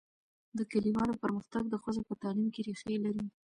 د کلیوالو پرمختګ د ښځو په تعلیم کې ریښې لري.